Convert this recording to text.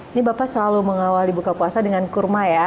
ini bapak selalu mengawal ibu ke puasa dengan kurma ya